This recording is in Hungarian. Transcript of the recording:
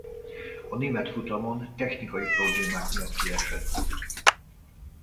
A német futamon technikai problémák miatt kiesett.